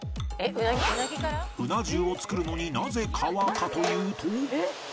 うな重を作るのになぜ川かというと